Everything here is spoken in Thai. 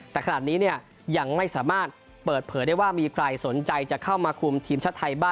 แต่ขนาดนี้ยังไม่สามารถเปิดเผยได้ว่ามีใครสนใจจะเข้ามาคุมทีมชาติไทยบ้าง